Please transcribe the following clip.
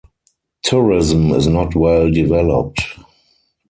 Tourism is not well developed.